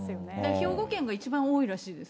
兵庫県が一番多いらしいです。